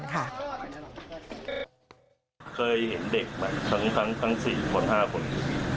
เคยเห็นเด็กทั้ง๔คน๕คน